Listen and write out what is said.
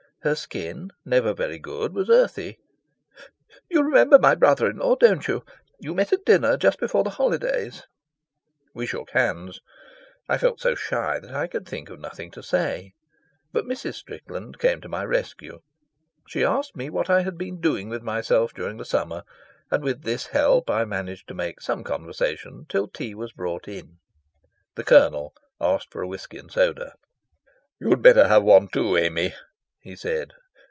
Her skin, never very good, was earthy. "You remember my brother in law, don't you? You met at dinner, just before the holidays." We shook hands. I felt so shy that I could think of nothing to say, but Mrs. Strickland came to my rescue. She asked me what I had been doing with myself during the summer, and with this help I managed to make some conversation till tea was brought in. The Colonel asked for a whisky and soda. "You'd better have one too, Amy," he said.